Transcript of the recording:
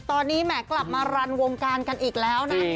ตอนนี้แหมกลับมารันวงการกันอีกแล้วนะ